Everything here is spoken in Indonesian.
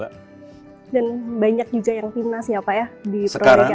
dan banyak juga yang timnas ya pak ya di prorega alhamdulillah